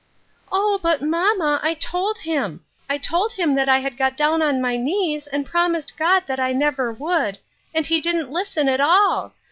"Oh! but, mamma, I told him. I told him that I had got down on my knees and promised God that I never would, and he didn't listen at all.